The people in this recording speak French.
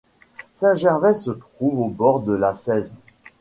Saint-Gervais se trouve au bord de la Cèze.